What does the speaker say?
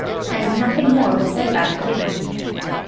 and nothing more was said about the kitten.